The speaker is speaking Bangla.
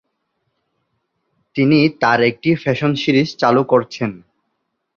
তিনি তার একটি ফ্যাশন সিরিজ চালু করছেন।